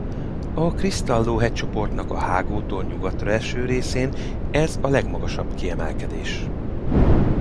A Cristallo-hegycsoportnak a hágótól nyugatra eső részén ez a legmagasabb kiemelkedés.